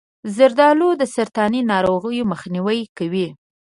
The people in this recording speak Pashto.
زردآلو د سرطاني ناروغیو مخنیوی کوي.